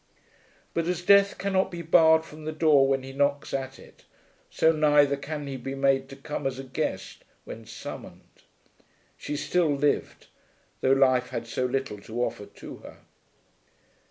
But as Death cannot be barred from the door when he knocks at it, so neither can he be made to come as a guest when summoned. She still lived, though life had so little to offer to her.